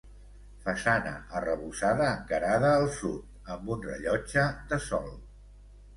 Façana arrebossada encarada al sud, amb un rellotge de sol.